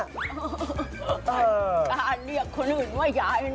การเรียกคนอื่นว่ายายนะ